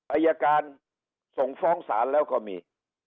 อายการส่งฟ้องศาลแล้วก็มี